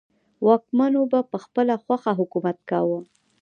واکمنو په خپله خوښه حکومت کاوه.